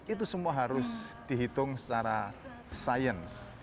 itu semua harus dihitung secara sains